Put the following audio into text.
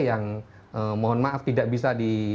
yang mohon maaf tidak bisa di